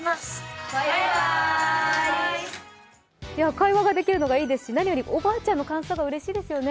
会話ができるのがいいですし、何よりおばあちゃんの感想がうれしいですよね。